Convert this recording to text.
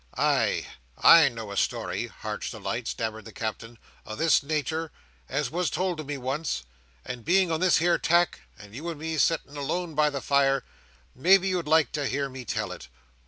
I—I know a story, Heart's Delight," stammered the Captain, "o' this natur, as was told to me once; and being on this here tack, and you and me sitting alone by the fire, maybe you'd like to hear me tell it.